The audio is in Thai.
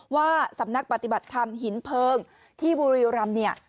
ว่าสำนักปฏิบัติธรรมหินเพลิงที่บุรีรำเนี่ย